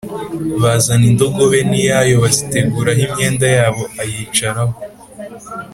bazana indogobe n’iyayo baziteguraho imyenda yabo, ayicaraho.